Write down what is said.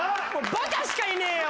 バカしかいねえよ。